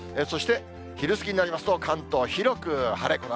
そして昼過ぎになりますと、関東、広く晴れ。